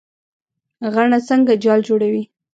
غڼه څنګه جال جوړوي؟